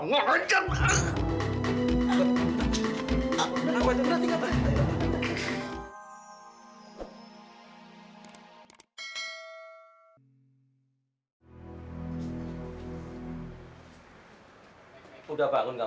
gak usah pak